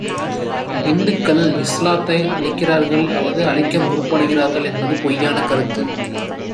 இந்துகள் இஸ்லாத்தை அழிக்கிறார்கள் அல்லது அழிக்க முற்படுகிறார்கள்.